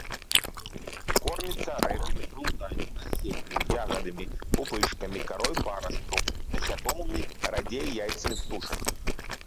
Корміцца арэхамі, жалудамі, насеннем, ягадамі, пупышкамі, карой парасткаў, насякомымі, радзей яйцамі птушак.